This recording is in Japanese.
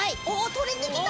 取れてきた！